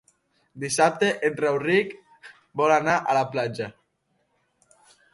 Dissabte en Rauric vol anar a la platja.